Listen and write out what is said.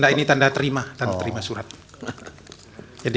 ini tanda terima surat